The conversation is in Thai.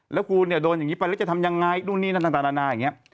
แล้วครูโดนอย่างนี้ไปแล้วจะทำอย่างไรดูนี่น่าอย่างนี้